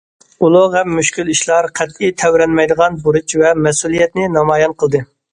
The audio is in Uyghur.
ئۇلۇغ ھەم مۈشكۈل ئىشلار قەتئىي تەۋرەنمەيدىغان بۇرچ ۋە مەسئۇلىيەتنى نامايان قىلدى.